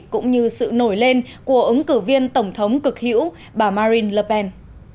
cũng như sự nổi lên của ứng cử viên tổng thống cực hữu bà marin le pen